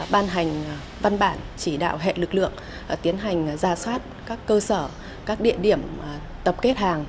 ban hành văn bản chỉ đạo hệ lực lượng tiến hành ra soát các cơ sở các địa điểm tập kết hàng